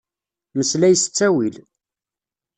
Meslay s ttawil.